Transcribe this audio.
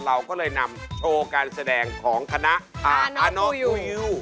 เราก็เลยนำโชว์การแสดงของคณะอาน้องยูยิว